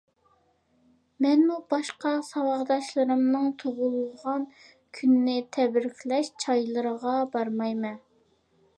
مەنمۇ باشقا ساۋاقداشلىرىمنىڭ تۇغۇلغان كۈنىنى تەبرىكلەش چايلىرىغا بارمايمەن.